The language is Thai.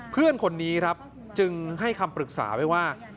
เพื่อนคนนี้ครับจึงให้คำปรึกษาไว้ว่า